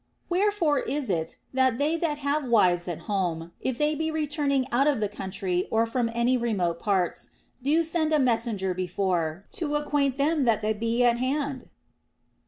Wherefore is it that they that have wives at home, if they be returning out of the country or from any remote parts, do send a messenger before, to acquaint them that they be at hand?